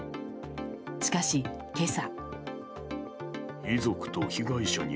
しかし、今朝。